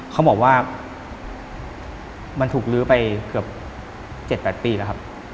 เขาบอกว่ามันถูกลื้อไปเกือบ๗๘ปีแล้วครับ